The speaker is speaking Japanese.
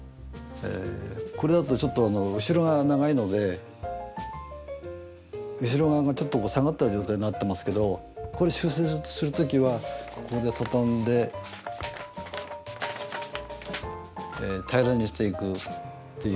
これだとちょっと後ろが長いので後ろ側がちょっと下がった状態になってますけどこれ修正する時はここで畳んで平らにしていくっていう。